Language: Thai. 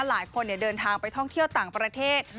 หลายคนเดินทางไปท่องเที่ยวต่างประเทศ